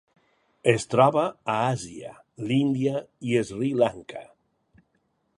Es troba a Àsia: l'Índia i Sri Lanka.